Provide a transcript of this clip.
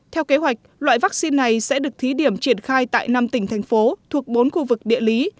theo kế hoạch loại vaccine này sẽ được thí điểm triển khai tại năm tỉnh thành phố thuộc bốn khu vực địa lý